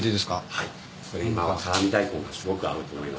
はい。